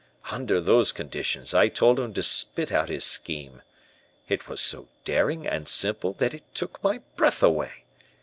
"Under those conditions I told him to spit out his scheme. It was so daring and simple that it took my breath away.